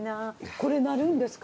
これ鳴るんですか？